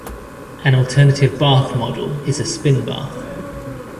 An alternative bath model is a spin bath.